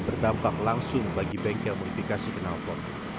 terdampak langsung bagi bengkel modifikasi kenalpot